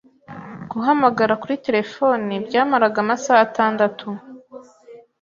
Guhamagara kuri terefone byamaraga amasaha atandatu.